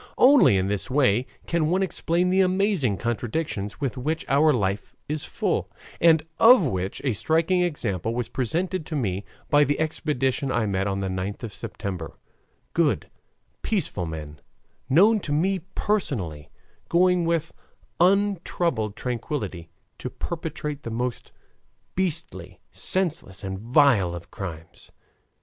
Only in this way can one explain the amazing contradictions with which our life is full, and of which a striking example was presented to me by the expedition I met on the 9th of September; good, peaceful men, known to me personally, going with untroubled tranquillity to perpetrate the most beastly, senseless, and vile of crimes.